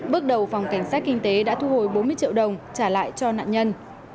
bước đầu phòng cảnh sát kinh tế đã thu hồi bốn mươi triệu đồng trả lại cho nạn nhân